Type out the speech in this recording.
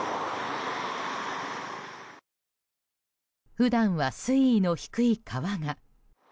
普段は、水位の低い川が。